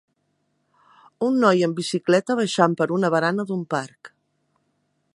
Un noi en bicicleta baixant per una barana d'un parc